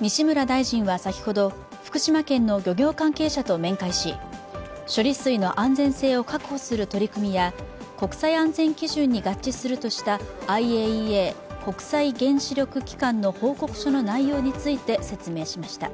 西村大臣は先ほど福島県の漁業関係者と面会し処理水の安全性を確保する取り組みや国際安全基準に合致するとしたＩＡＥＡ＝国際原子力機関の報告書の内容について説明しました。